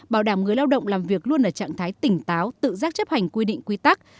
bảo đảm người lao động làm việc luôn ở trạng thái tỉnh táo tự giác chấp hành quy định quy tắc